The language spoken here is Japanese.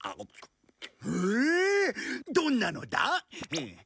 へえどんなのだ？